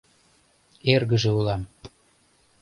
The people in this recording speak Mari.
эргыже улам.